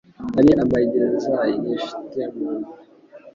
Ari amageza yifite mu nda!